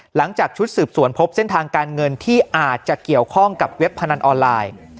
หลังจากชุดสืบสวนพบเส้นทางการเงินที่อาจจะเกี่ยวข้องกับเว็บพนันออนไลน์